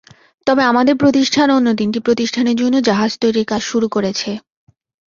তবে আমাদের প্রতিষ্ঠান অন্য তিনটি প্রতিষ্ঠানের জন্য জাহাজ তৈরির কাজ শুরু করেছে।